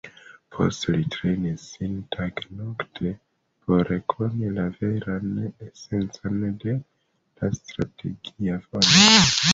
Poste li trejnis sin tage-nokte por rekoni la veran esencon de la Strategia Vojo.